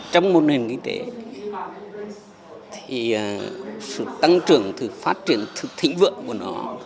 trong một nền kinh tế sự tăng trưởng sự phát triển thịnh vượng của nó